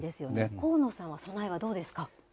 高野さんは備えはどうですか。